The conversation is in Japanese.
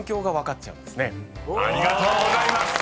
［ありがとうございます。